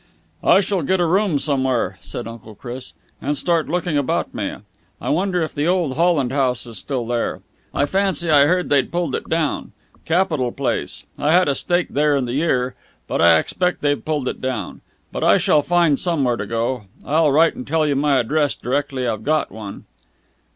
"I shall get a room somewhere," said Uncle Chris, "and start looking about me. I wonder if the old Holland House is still there. I fancy I heard they'd pulled it down. Capital place. I had a steak there in the year.... But I expect they've pulled it down. But I shall find somewhere to go. I'll write and tell you my address directly I've got one."